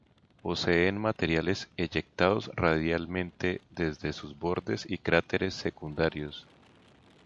Poseen materiales eyectados radialmente desde sus bordes y cráteres secundarios.